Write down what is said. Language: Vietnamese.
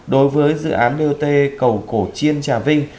đối với dự án bot cầu cổ chiên trà vinh